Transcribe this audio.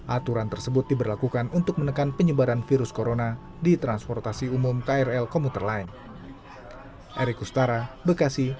aturan tersebut diberlakukan untuk menekan penyebaran virus corona di transportasi umum krl komuter lain